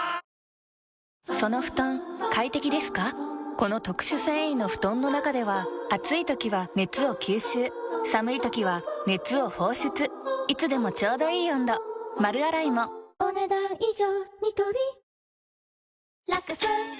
この特殊繊維の布団の中では暑い時は熱を吸収寒い時は熱を放出いつでもちょうどいい温度丸洗いもお、ねだん以上。